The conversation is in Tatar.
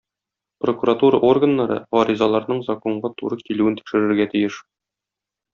Прокуратура органнары гаризаларның законга туры килүен тикшерергә тиеш.